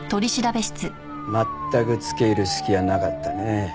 全く付け入る隙はなかったね。